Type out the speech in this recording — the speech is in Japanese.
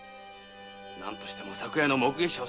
何としても昨夜の目撃者を探すぞ。